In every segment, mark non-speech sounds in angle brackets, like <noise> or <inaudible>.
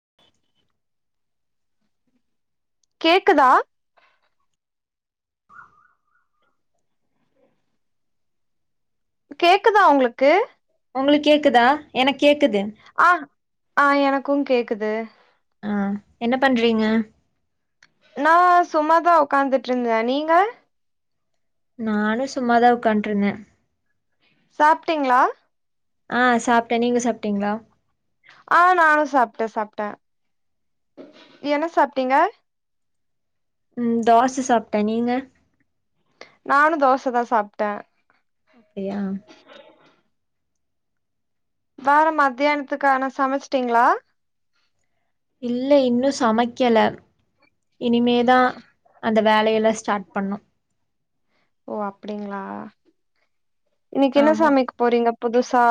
<inaudible> கேக்குதா கேக்குதா ஒங்க்ளுக்கு ஒங்க்ளுக்கு கேக்குதா எனக்கு கேக்குது ஆ ஆ எனக்கு கேக்குது ஆ என்ன பண்றீங்க நா சும்மாதா உக்காந்துட்ருந்த நீங்க நானு சும்மாதா உக்கான்ட்ருந்த சாப்பிட்டீங்களா ஆ சாப்ட்ட நீங்க சாப்ட்டீங்களா ஆ நானு சாப்ட சாப்ட்ட என்ன சாப்ட்டீங்க ம் தோச சாப்ட்டே நீங்க நானு தோசைதா சாப்ட்டே ஆ வேற மத்தியானத்துக்கான சமச்ட்டீங்க்ளா இல்ல இன்னு சமைக்கல இனிமேதா அந்த வேலையெல்லா ஸ்டாட் பண்ணு ஓ அப்டிங்களா இன்னைக்கு என்ன ஆமா சமைக் போறீங்க புதுசா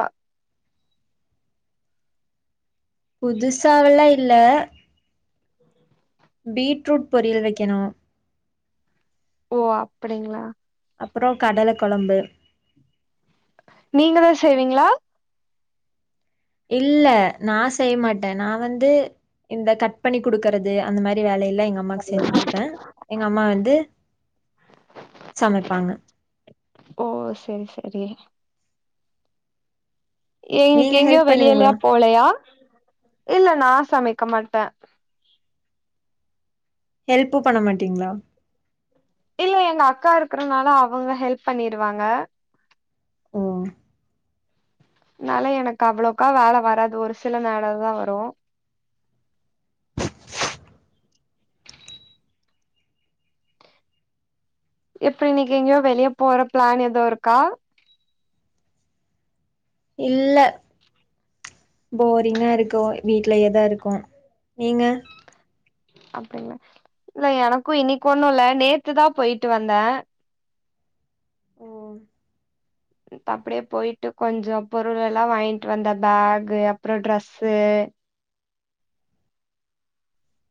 புதுசாவல்லா இல்ல பீட்ரூட் பொரியல் வைக்கணு ஓ அப்டிங்களா அப்பறோ கடல கொழம்பு நீங்களு செய்வீங்களா இல்ல நா செய்ய மாட்டே நா வந்து இந்த கட் பண்ணி குடுக்குறது அந்த மாரி வேலையெல்லா எங் கம்மாக்கு செஞ்சு குடுப்பே எங்கம்மா வந்து சமைப்பாங்க ஓ செரி செரி இன்னிக்கு நீங்க எங்கேயு ஹெல்ப் வெளியெல்லா பண்ணுவீங்களா போலையா இல்ல நா சமைக்க மாட்ட ஹெல்ப்பு பண்ண மாட்டீங்க்ளா இல்ல எங்க அக்கா இருக்கறனால அவங்க ஹெல்ப் பண்ணிடுவாங்க ஓ அதனால எனக்கு அவ்ளவுக்கா வேல வராது ஒரு சில நேரோ தா வரு எப்டி இன்னைக்கு எங்கேயோ வெளியே போற பிளான் எதோ இருக்கா இல்ல போரிங்கா இருக்கு வீட்லயேதா இருக்கு நீங்க அப்டிங்ளா இல்ல எனக்கு இன்னிக்கு ஒன்னு இல்ல நேத்துதா போயிட்டு வந்த ஓ அப்டியே போயிட்டு கொஞ்சோ பொருள் எல்லா வாய்ன்டு வந்த பேக்கு அப்றோ ட்ரெஸ்ஸு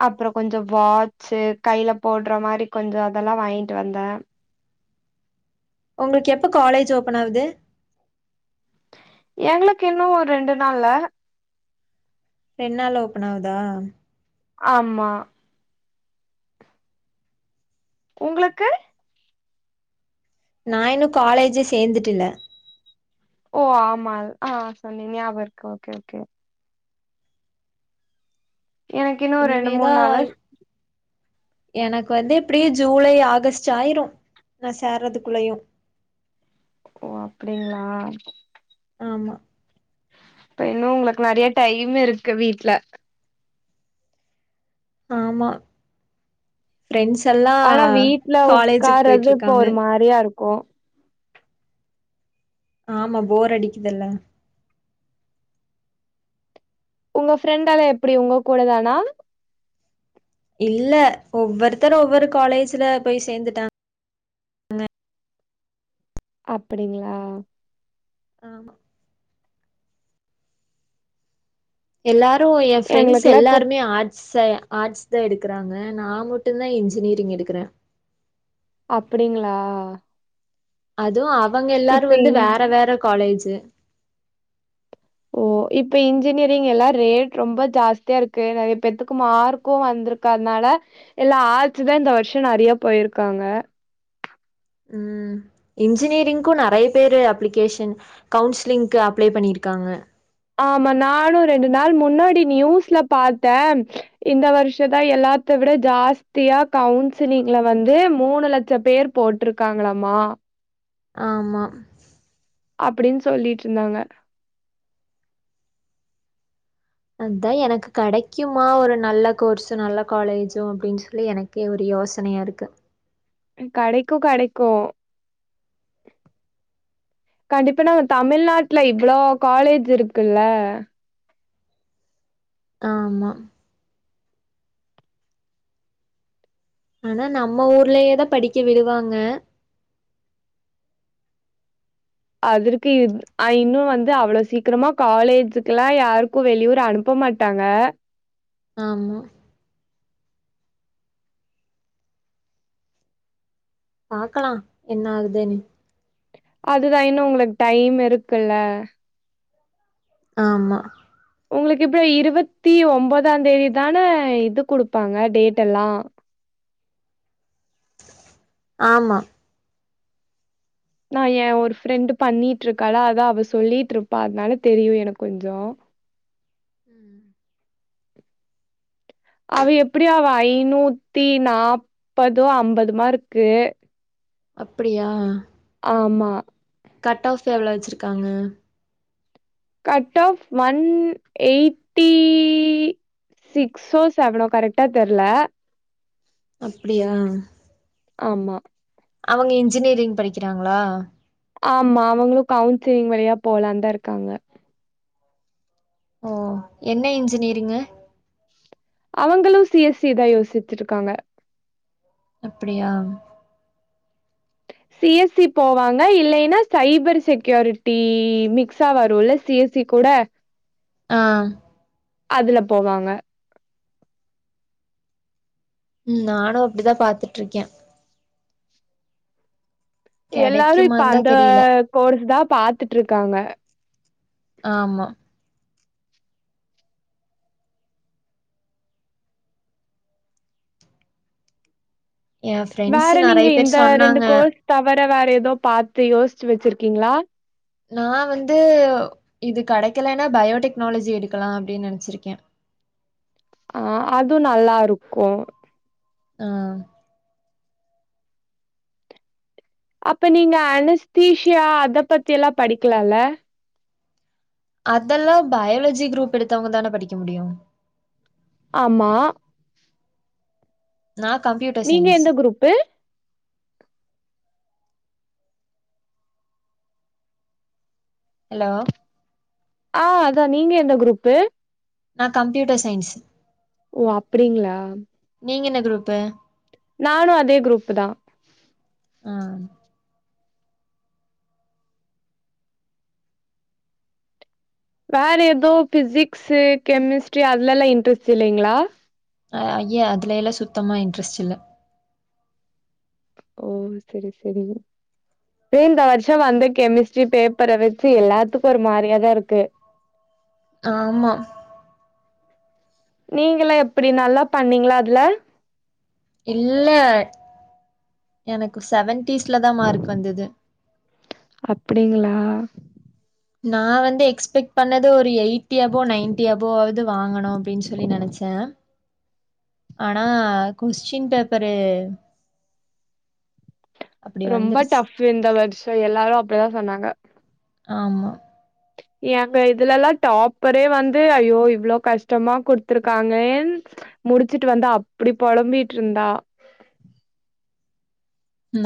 அப்றோ கொஞ்சோ வாட்ச்சு கைல போடுற மாரி கொஞ்சோ அதெல்லா வாய்ன்டு வந்த உங்ளுக் எப்போ காலேஜ் ஓப்பன் ஆவுது எங்ளுக்கு இன்னு ஒரு ரெண்டு நாள்ல ரெண்டு நாள்ல ஓப்பன் ஆவுதா ஆமா உங்ளுக்கு நா இன்னு காலேஜே சேந்துட்டு இல்ல ஓ ஆமால் ஆ சொன்னிக ஞாப இருக்கோ ஓகே ஓகே எனக்கு இன்னு ரெண்டு மூணு நாள்ல இனிமேதாய் எனக்கு வந்து எப்டியு ஜூலை ஆகஸ்ட் ஆயிரு நா சேறதுக்குள்ளயு ஓ அப்டிங்ளா ஆமா இப்ப இன்னு உங்ளுக்கு நெறைய டைம் இருக்கு வீட்ல ஆமா ஃப்ரெண்ஸ் எல்லா ஆனா காலேஜ்க்கு போயிட்ருக்காங்க ப்ரியா இருக்கு ஆமா போர் அடிக்குதெல்ல உங்க ஃப்ரெண்ட்டால எப்டி உங்க கூட தானா இல்ல ஒவ்வொருத்தரு ஒவ்வொரு காலேஜ்ல பேய் சேந்துட்டாங் அப்டிங்ளா ஆமா எல்லாரு எ ஃப்ரெண்ட்ஸ் எங்களுக்குல்லா இப்போ எல்லாருமே ஆட் ச ஆட்ஸ்தா எடுக்குறாங்க நா மட்டுதா இன்ஜினிரிங் எடுக்குற அப்டிங்ளா அது அவங்க எல்லாரு வந்து இன் வேற வேற காலேஜி ஓ இப்ப இன்ஜினியரிங் எல்லா ரேட் ரொம்ப ஜாஸ்தியா இருக்கு நெறைய பேத்துக்கு மார்க்கு வந்துருக் கு அதனால எல்லா ஆட்ஸ் தா இந்த வருஷோ நெறைய போயிருக்காங்க உம் இன்ஜினியரிங்க்கு நெறைய பேரு அப்ளிகேஷன் கவுன்சிலிங்க்கு அப்ளை பண்ணிருக்காங்க ஆமா நானு ரெண்டு நாள் முன்னாடி நியூஸ்ல பாத்தம் இந்த வருஷ தா எல்லாத்த விட ஜாஸ்தியா கவுன்சிலிங்ல வந்து மூனு லட்சம் பேர் போட்டிருக்காங்களாமா ஆமா அப்டின் சொல்லிட்டு இருந்தாங்க அதுதா எனக்கு கெடைக்குமா ஒரு நல்ல கோர்ஸு நல்ல காலேஜும் அப்டின்னு சொல்லி எனக் கு ஒரு யோசனையா இருக்கு கடைக்கு கடைக்கு கண்டிப்பா நாங்க தமிழ்நாட்டுல இவ்ளோ காலேஜ் இருக்குல்ல ஆமா ஆனா நம்ம ஊர்லேயே தா படிக்க விடுவாங்க அதற்கு இது இன்னு வந்து அவ்ள சீக்கிரமா காலேஜுக்கு எல்லா யாருக்கு வெளியூர் அனுப்ப மாட் ட்டாங்க ஆமா பாக்கலா என்ன ஆகுதுன் அதுதா இன்னு உங்களுக்கு டைம் இருக்குல்ல ஆமா உங்களுக்கு இப்ப இருவத்தி ஒம்பதாந் தேதி தான இது குடுப்பாங்க டேட்டெல்லா ஆமா நா எ ஒரு ஃப்ரெண்டு் பண்ணிட்ருக்காள அதா அவ சொல்லிட்ருப்பா அதனால தெரியு எனக் கொஞ்சோ ம் அவ எப்டியோ அவ ஐந்நூத்தி நாப்பதோ அம்பது மார்க்கு அப்படியா ஆமா கட் ஆஃப் எவ்ளவ் வெச்சிருக்காங்க கட் ஆஃப் ஒன் எயிட்டி சிக்ஸோ செவனோ கரெக்ட்டா தெர்ல அப்டியா ஆமா அவுங்க இன்ஜினியரிங் படிக்கிறாங்ளா ஆமா அவுங்களு கவுன்சிலிங் வழியா போலான் தா இருக்காங்க ஓ என்ன இன்ஜினியரிங்கு அவங்களு சிஎஸ் சி தா யோசிச்சிருக்காங்க அப்படியா சி எஸ் சி போவாங்க இல்லைன்னா சைபர் செக்யூரிட்டி மிக்ஸா வருல்ல சி எஸ் சி கூட ஆ அதுல போவாங்க ம் நானு அப்டிதா பாத்துட்ருக்கே எல்லாரு இப்ப கெடைக்குமான் தா அந்த தெரில கோர்ஸ் தா பாத்துட்ருக்காங்க ஆமா எ ஃப்ரெண்ட்ஸ் வேற நீங்க நெறைய பேர் இந்த ரெண்டு சொன்னாங்க கோர்ஸ் தவிர வேற எதோ பாத்து யோசிச்சு வெச்சிருக்கீங்களா நா வந்து இது கெடைக்கலன்னா பயோடெக்னாலஜி எடுக்கலா அப்டின் நெனைச்சிருக்கே ஆ அது நல்லாருக்கு ஆ அப்ப நீங்க அனஸ்தீஷியா அத பத்தி எல்லா படிக்கலால அதெல்லா பயோலஜி குரூப் எடுத்தவங்க தான படிக்க முடியு ஆமா நா கம்ப்யூட் நீங்க எந்த க்ரூப்பு அலோ ஆ அதா நீங்க எந்த க்ரூப்பு நா கம்ப்யூட்டர் சயின்ஸ் ஒ அப்டிங்ளா நீங்க என்ன க்ரூப்பு நானு அதே க்ரூப்பு தா ஆ வேற ஏதுவு பிசிக்ஸ்சு கெமிஸ்ரி அதுல எல்லா இன்ரெஸ்ட் இல்லைங்களா ஆ அய்ய அதுல எல்லா சுத்தமா இன்ரெஸ்ட் இல்ல ஓ செரி செரி இப்ப இந்த வர்ஷ வந்து கெமிஸ்ரி பேப்பர வெச்சி எல்லாதுக்கு ஒரு மாரியாதா இருக்கு ஆமா நீங்கள எப்படி நல்லா பண்ணீங்களா அதுல இல்ல எனக்கு செவன்டீஸ்ல தா மார்க் வந்தது அப்டிங்களா நா வந்து எக்ஸ்பெட் பண்ணது ஒரு எயிட்டி யபோ நைன்டி யபோவது வாங்கணு அப்டின் செல்லி நனச்ச ஆனா கொஸ்டின் பேப்பரு அப்டி ரொம்ப வந்துருச்சு டப்ஃபு இந்த வர்ஷோ எல்லாரு அப்டிதா சொன்னாங்க ஆமா எங்க இதுல எல்லா டாப்பரே வந்து ஐயோ இவ்ளோ கஷ்டமா குடுத்துருக்காகளேன் முடிச்சிட்டு வந்து அப்படி பொலம்பிட்டுருந்தா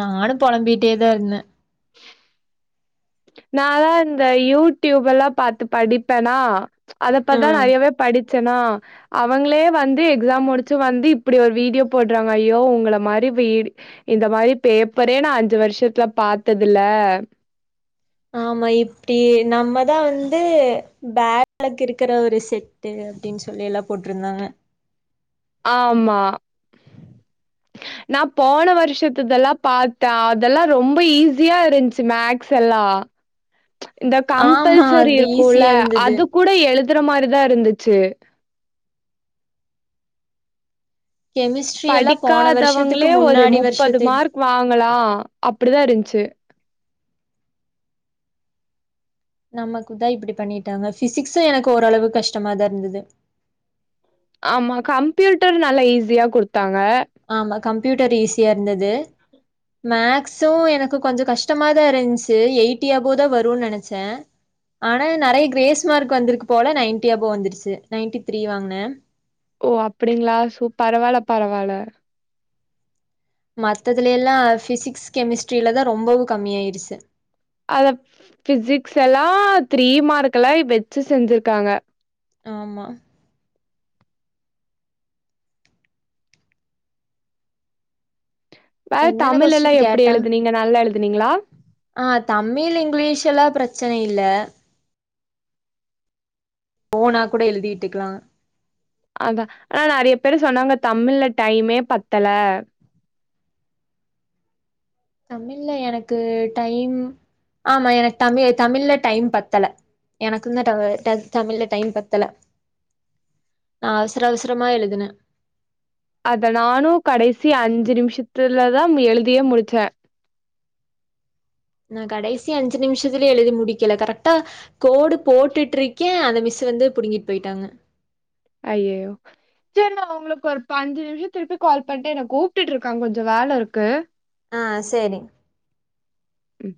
நானு பொலம்பிட்டே தா இருந்த நாலா இந்த யூடிப் எல்லா பாத்து படிப்பேன்னா அத ப்பத்துதா ம் நறையவே படிச்சேனா அவங்களே வந்து எக்ஸாம் முடிச்சு வந்து இப்படி ஒரு வீடியோ போட்றாங்க ஐயோ உங்கள மாரி வீடு இந்த மாரி பேப்பரே நா அஞ்சு வருஷதுல பாத்ததுல்ல ஆமா இப்டி நம்மதா வந்து பேக் லக் இருக்கிற ஒரு செட் டே அப்டின் சொல்லி எல்லா போட்ருந்தாங்க ஆமா நா போன வருஷத்துதெல்லா பாத்தே அதெல்லா ரொம்ப ஈஸியா இருந்ச்சி மேக்ஸ் எல்லா இந்த ஆமா கம்பல்சரி அது இருக்குல்ல ஈஸியா இருந்தது அதுகூட எழு துற மாரிதா இருந்ச்சி கெமிஸ்ட்ரி எல்லாம் போன வருஷத்துக்கு படிக்காதவங்களே ஒரு முன்னாடி முப்பது வருஷத்து மார்க் வாங்கலா அப்படிதா இருந்ச்சு நமக்கு தா இப்டி பண்ணிட்டாங்க பிசிக்சு எனக்கு ஓரளவுக் கஷ்டமா தா இருந்தது ஆமா கம்ப்யூட்டர் நல்லா ஈசியா குடுத்தாங்க ஆமா கம்ப்யூட்டர் ஈசியா இருந்தது மேக்சு எனக்கு கொஞ்ச கஷ்டமாதா இருந்ச்சி எயிட்டி அபோ தா வருன் நனச்சே ஆனா நறைய கிரேஸ் மார்க் வந்திருக்கு போல நைன்டி அபோ வந்துருச்சு நைன்டி த்ரீ வாங்னே ஓ அப்டிங்களா சூப் பரவால்ல பரவால்ல மத்ததுல எல்லா பிசிக்ஸ் கெமிஸ்ட்ரியில தா ரொம்பவு கம்மியாயிடுச்சு அத பிசிக்ஸ் எல்லா த்ரீ மார்க்லே வெச்சி செஞ்சிருகாங்க ஆமா வேர என்னென்ன தமிழ்லலா கொஸ்டின் எப்டி கேட்டாங் எழுதினீங்க நல்லா எழுதினீங்களா ஆ தமிழ் இங்கிலீஷ் எல்லா பிரச்சன இல்ல ஓனா கூட எழுதி விட்டுக்கலா அதா ஆனா நறைய பேரு சொன்னாங்க தமிழ்ழ டைமே பத்தல தமிழ்ல்ல எனக்கு டைம் ஆமா எனக் தமி தமிழ்ல்ல டைம் பத்தல எனக்குந்தா டா ட தமிழ்ல்ல டைம் பத்தல நா அவசர அவசரமா எழுதுன அத நானு கடைசி அஞ்சு நிமிஷத்துலதா எழுதியே முடிச்சே நா கடைசி அஞ்சு நிமிஷத்துல எழுதி முடிக்கல கரெக்டா கோடு போட்டுட்ருக்கே அந்த மிஸ்சு வந்து புடிங்கிட் போயிட்டாங்க ஐயய்யயோ சேரி நா உங்களுக்கு ஒரு ப்ப அஞ்சு நிமிஷ திருப்பி கால் பண்ட்டு என்ன கூப்புட்ருக்காங்க கொஞ்ச வேல இருக்கு ஆ சேரி ம்